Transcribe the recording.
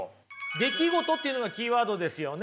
「出来事」というのがキーワードですよね。